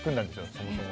そもそも。